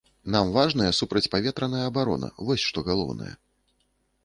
Нам важная супрацьпаветраная абарона, вось што галоўнае.